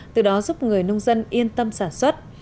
từ đó giúp người nông dân yên tâm sản xuất